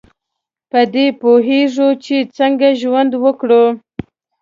په دې پوهیږو چې څنګه ژوند وکړو.